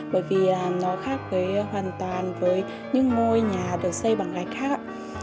bởi vì nó khác với hoàn toàn với những ngôi nhà được xây bằng gạch khác